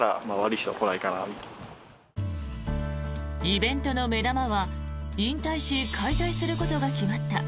イベントの目玉は引退し解体することが決まった